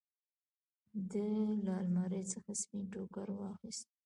ده له المارۍ څخه سپين ټوکر واخېست.